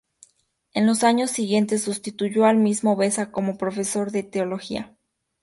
En los años siguiente sustituyó al mismo Beza como profesor de Teología.